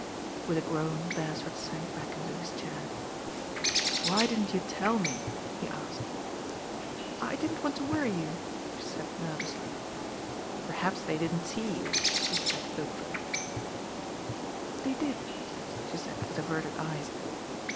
With a groan Beresford sank back into his chair. Why didn't you tell me ?" he asked. I didn t want to worry you," she said nervously. "Th. "^ ^mV"^"'/" y°"'" ^' «^'d hopefully. They did," she said with averted eyes.